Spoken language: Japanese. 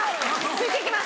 ついていきます。